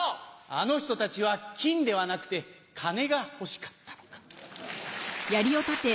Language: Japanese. あの人たちはきんではなくてかねが欲しかった。